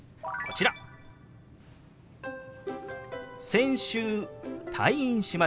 「先週退院しました」。